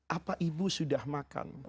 apa ibu sudah makan